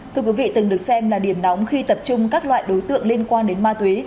thưa quý vị từng được xem là điểm nóng khi tập trung các loại đối tượng liên quan đến ma túy